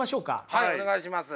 はいお願いします。